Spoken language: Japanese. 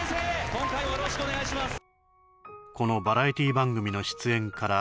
今回はよろしくお願いします